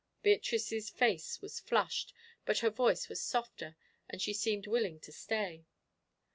Beatrice's face was flushed, but her voice was softer, and she seemed willing to stay.